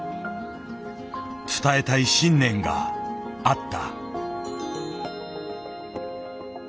伝えたい信念があった。